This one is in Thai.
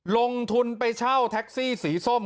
ลงทุนไปเช่าแท็กซี่สีส้ม